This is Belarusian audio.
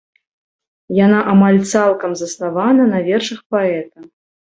Яна амаль цалкам заснавана на вершах паэта.